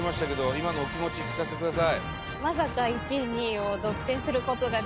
今のお気持ち聞かしてください